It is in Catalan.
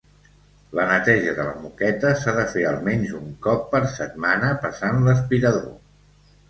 La neteja de la moqueta s'ha de fer almenys un cop per setmana passant l'aspirador.